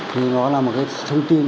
thì nó là một cái thông tin